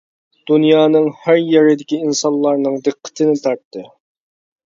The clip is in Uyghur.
دۇنيانىڭ ھەر يېرىدىكى ئىنسانلارنىڭ دىققىتىنى تارتتى.